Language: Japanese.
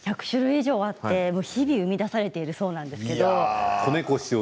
１００種類以上あって日々生み出されているようです。